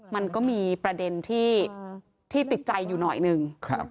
มันก็มีประเด็นที่ติดใจอยู่หน่อยหนึ่ง